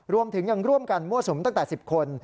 รวมถึงยังร่วมกันมั่วสุมตั้งแต่๑๐คน